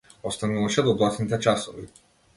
Остануваше до доцните часови.